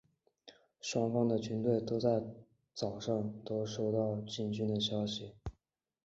双方的军队在早上都收到进军的消息。